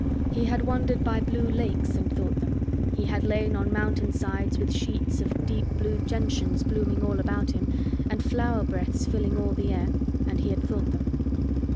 He had wandered by blue lakes and thought them; he had lain on mountain sides with sheets of deep blue gentians blooming all about him and flower breaths filling all the air and he had thought them.